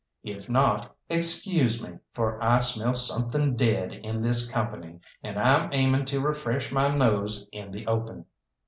If not, excuse me, for I smell something dead in this company, and I'm aiming to refresh my nose in the open."